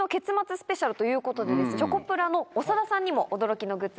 スペシャルということでチョコプラの長田さんにも驚きのグッズ